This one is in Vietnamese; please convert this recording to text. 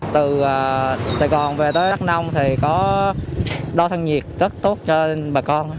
từ sài gòn về tới đắk nông thì có đo thân nhiệt rất tốt cho bà con